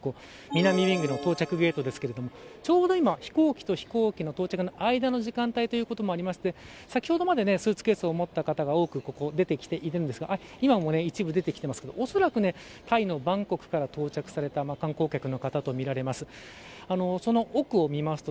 南ウイングの到着ゲートですがちょうど今、飛行機と飛行機の到着までの時間帯ということもあって先ほどまでスーツケースを持った方が多くここでいたんですが今も一部、出てきてますけど恐らくタイのバンコクから到着された観光客の方とみられます。